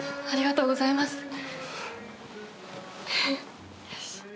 ありがとうございます。